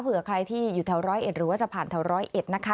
เผื่อใครที่อยู่แถว๑๐๑หรือว่าจะผ่านแถว๑๐๑นะคะ